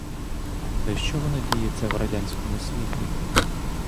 Та й що воно діється в радянському світі?!